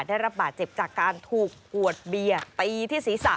ได้รับบาดเจ็บจากการถูกขวดเบียร์ตีที่ศีรษะ